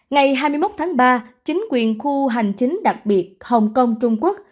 ngày hai mươi một tháng ba chính quyền khu hành chính đặc biệt hồng kông trung quốc